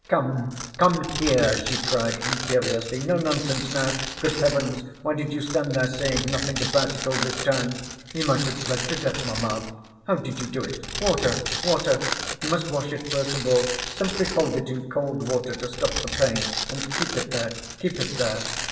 "Come, come here," she cried, imperiously. "No nonsense now! Good heavens, why did you stand there saying nothing about it all this time? He might have bled to death, mamma! How did you do it? Water, water! You must wash it first of all, simply hold it in cold water to stop the pain, and keep it there, keep it there....